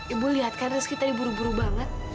ibu lihat kan rizky tadi buru buru banget